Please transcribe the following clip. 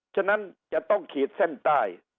ฉะนั้นจะต้องขีดเส้นใต้